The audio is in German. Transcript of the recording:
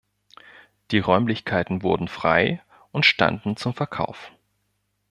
Die Räumlichkeiten wurden frei und standen zum Verkauf.